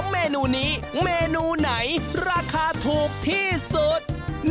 เมนูนี้เมนูไหนราคาถูกที่สุด